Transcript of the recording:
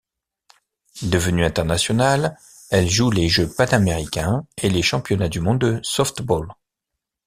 Devenue internationale, elle joue les Jeux panaméricains et les championnats du monde de softball.